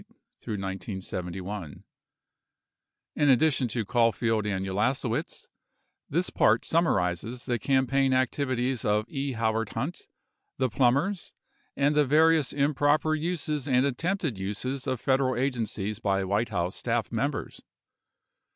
In addition to Caulfield and Ulasewicz, this part summarizes the campaign activities of E. Howard Hunt, the Plumbers, and the various improper uses and attempted uses of Federal agencies by White House staff members.